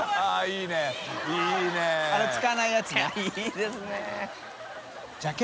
いいですね